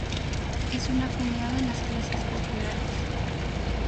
Es una comida de las clases populares.